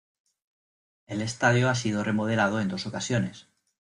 El estadio ha sido remodelado en dos ocasiones.